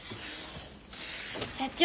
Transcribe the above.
社長